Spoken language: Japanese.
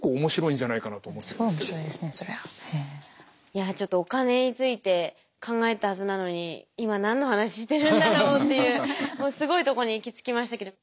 いやちょっとお金について考えたはずなのに今何の話してるんだろうっていうもうすごいとこに行き着きましたけど。